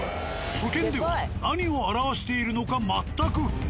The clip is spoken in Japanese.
初見では何を表しているのか全く不明。